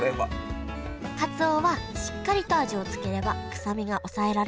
かつおはしっかりと味をつければ臭みが抑えられます。